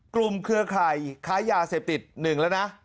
เครือข่ายค้ายาเสพติด๑แล้วนะ